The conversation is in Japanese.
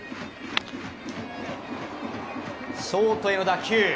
ショートへの打球。